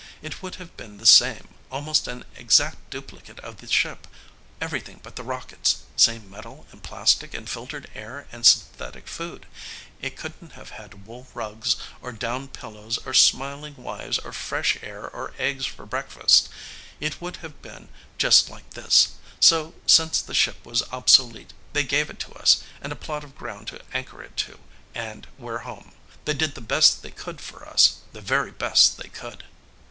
"It would have been the same, almost an exact duplicate of the ship, everything but the rockets. Same metal and plastic and filtered air and synthetic food. It couldn't have had wool rugs or down pillows or smiling wives or fresh air or eggs for breakfast. It would have been just like this. So, since the ship was obsolete, they gave it to us, and a plot of ground to anchor it to, and we're home. They did the best they could for us, the very best they could."